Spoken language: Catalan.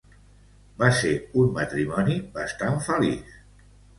Va ser un matrimoni bastant feliç.